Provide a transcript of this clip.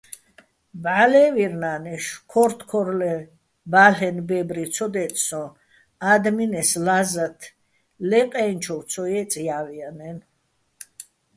ბჵა́ ლე́ვირ ნა́ნეშო̆: ქორთქორლეჼბა́ლენო̆ ბე́ბრი ცო დე́წსოჼ, ა́დმენეს ლა́ზათ ლე ყაჲნჩოვ ცო ჲეწე̆ ჲა́ვანაჲნო̆.